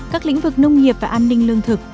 các lĩnh vực nông nghiệp và an ninh lương thực